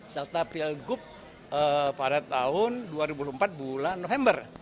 serta pilgub pada tahun dua ribu empat bulan november